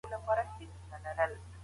ستاسو په زړه کي به د سولې غوښتنه وي.